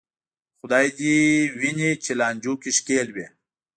خدای دې دې ویني چې لانجو کې ښکېل وې.